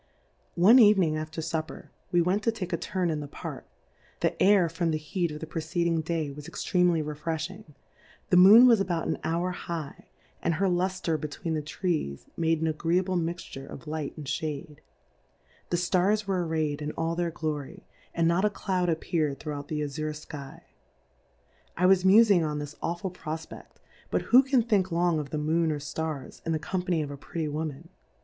N E Eveniiig after Supper, we went to take a turn in the =., Park, the Air, from the Heat ^^*^^ of the preceeciing Day was ex tremely refrediing ; .the Mooii was a bout an Hour high, and her Lultre between the Trees, made an agreeable mixture of Light and Shade ; the Stars were array'd in all their Glory, and not a Cloud appeared throughout the Azure Sky ; I was mufing on this aw ful ProfpeSt, but who can think long of the Moon or Stars, in the Company of a Pretty Woman?